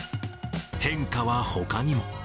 変化はほかにも。